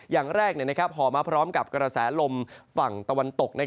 อย่างแรกห่อมาพร้อมกับกระแสลมฝั่งตะวันตก